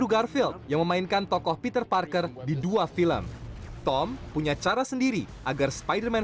jadi bagaimana anda membuat versi sendiri dari spider man